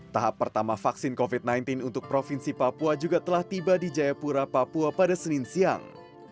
tahap pertama vaksin covid sembilan belas untuk provinsi papua juga telah tiba di jayapura papua pada senin siang